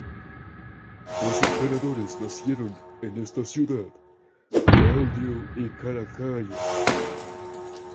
Dos emperadores nacieron en esta ciudad: Claudio y Caracalla.